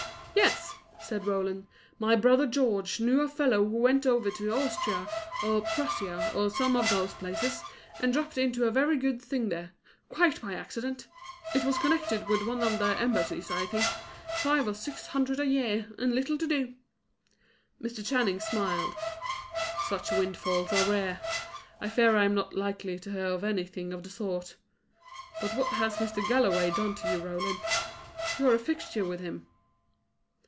"Yes," said Roland. "My brother George knew a fellow who went over to Austria or Prussia, or some of those places, and dropped into a very good thing there, quite by accident. It was connected with one of the embassies, I think; five or six hundred a year, and little to do." Mr. Channing smiled. "Such windfalls are rare. I fear I am not likely to hear of anything of the sort. But what has Mr. Galloway done to you, Roland? You are a fixture with him."